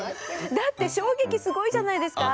だって衝撃すごいじゃないですか。